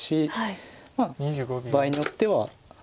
まあ場合によっては。